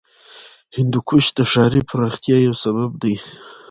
هندوکش د ښاري پراختیا یو سبب دی.